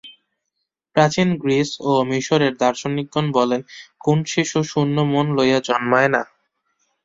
প্রাচীন গ্রীস ও মিশরের দার্শনিকগণ বলেন, কোন শিশু শূন্য মন লইয়া জন্মায় না।